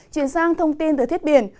chuyển sang thông tin từ thiết biển